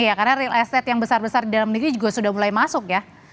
iya karena real asset yang besar besar di dalam negeri juga sudah mulai masuk ya